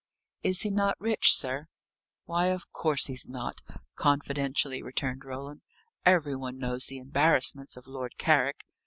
"Is he not rich, sir?" "Why, of course he's not," confidentially returned Roland. "Every one knows the embarrassments of Lord Carrick.